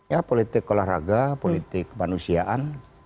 ya politik olahraga politik kemanusiaan